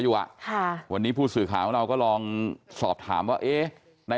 วันนี้ผู้สื่อของเราก็ลองสอบถามว่า